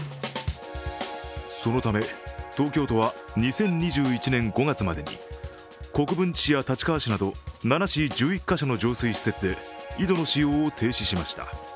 そのため、東京都は２０２１年５月までに国分寺市や立川市など７市１１か所の浄水施設で井戸の使用を停止しました。